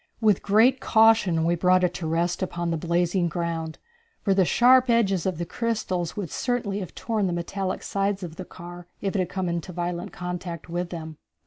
With great caution we brought it to rest upon the blazing ground, for the sharp edges of the crystals would certainly have torn the metallic sides of the car if it had come into violent contact with them.